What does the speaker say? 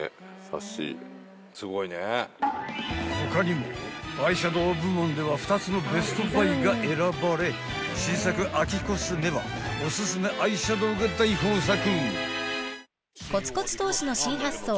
［他にもアイシャドウ部門では２つのベストバイが選ばれ新作秋コスメはおすすめアイシャドウが大豊作］